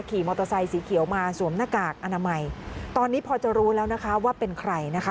ขี่มอเตอร์ไซสีเขียวมาสวมหน้ากากอนามัยตอนนี้พอจะรู้แล้วนะคะว่าเป็นใครนะคะ